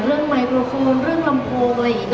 เรื่องไมค์โปรโฟนเรื่องลำโพงอะไรอีก